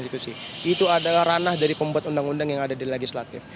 itu adalah ranah dari pembuat undang undang yang ada di legislatif